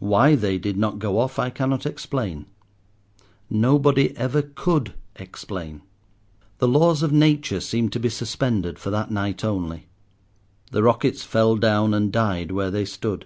Why they did not go off I cannot explain; nobody ever could explain. The laws of nature seemed to be suspended for that night only. The rockets fell down and died where they stood.